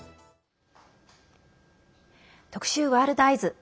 特集「ワールドＥＹＥＳ」。